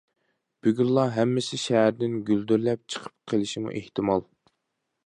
بۈگۈنلا ھەممىسى شەھەردىن گۈلدۈرلەپ چىقىپ قېلىشىمۇ ئېھتىمال.